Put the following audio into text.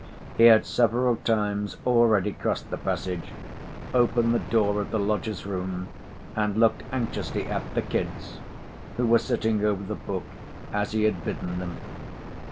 He had several times already crossed the passage, opened the door of the lodgers' room and looked anxiously at "the kids" who were sitting over the book, as he had bidden them.